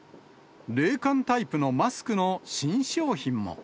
冷感タイプのマスクの新商品も。